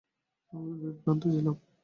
আমি বিভ্রান্ত ছিলাম।